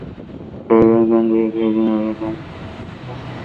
ছেলেরা, ডানদিকে ঘুরবে, মেয়েরা বামে।